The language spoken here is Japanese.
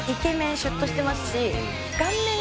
シュッとしてますし。